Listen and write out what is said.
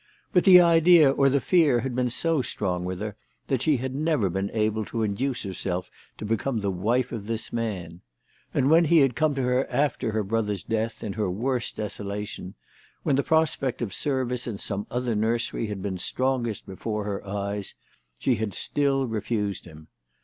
But the idea, or the fear, had been so strong with her that she had never been able to induce herself to become the wife of this man ; and when he had come to her after her brother's death, in her worst desolation, when the prospect of service in some other nursery had been strongest before her eyes, she had still refused him.